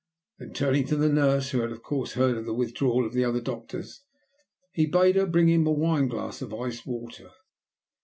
Then, turning to the nurse, who had of course heard of the withdrawal of the other doctors, he bade her bring him a wine glass of iced water.